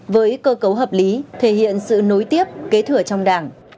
với cơ cấu hợp lý thể hiện sự nối tiếp kế thừa trong đảng